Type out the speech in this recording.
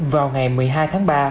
vào ngày một mươi hai tháng ba